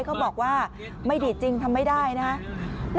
เขาบอกว่าไม่ดีดจริงทำไม่ได้นะครับ